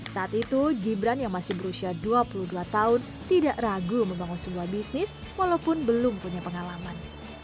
saat itu gibran yang masih berusia dua puluh dua tahun tidak ragu membangun sebuah bisnis walaupun belum punya pengalaman